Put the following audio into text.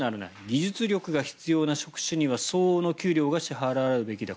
技術力が必要な職種には相応の給料が支払われるべきだ